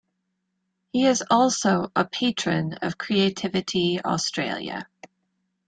He is also a Patron of Creativity Australia.